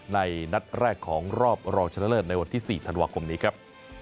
นัดแรกของรอบรองชนะเลิศในวันที่๔ธันวาคมนี้ครับ